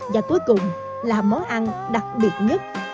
và cuối cùng là món ăn đặc biệt nhất